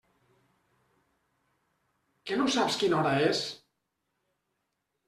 Que no saps quina hora és?